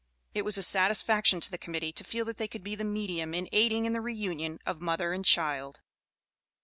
It was a satisfaction to the Committee to feel that they could be the medium in aiding in the reunion of mother and child.